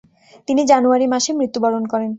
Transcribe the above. তিনি জানুয়ারি মাসে মৃত্যুবরণ করেন।